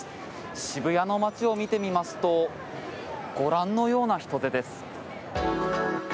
渋谷の街を見てみますとご覧のような人出です。